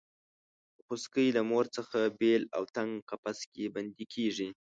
خوسکی له مور څخه بېل او تنګ قفس کې بندي کېږي.